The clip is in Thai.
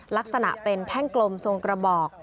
ลักษณะเป็นแท่งกลมทรงกระบอก